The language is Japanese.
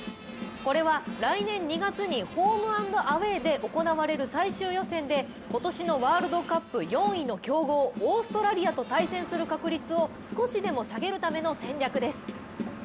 これは来年２月にホーム・アンド・アウェーで行われる最終予選で今年のワールドカップ４位の強豪、オーストラリアと対戦する確率を少しでも下げるための戦略です。